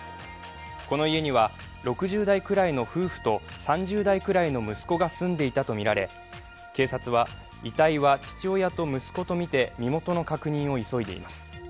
この家には６０代くらいの夫婦と３０代くらいの息子が住んでいたとみられ警察は遺体は父親と息子とみて身元の確認を急いでいます。